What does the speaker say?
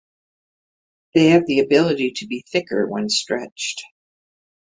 They have the ability to be thicker when stretched.